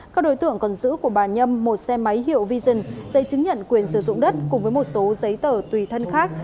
các đối tượng còn giữ của bà nhâm một xe máy hiệu vision giấy chứng nhận quyền sử dụng đất cùng với một số giấy tờ tùy thân khác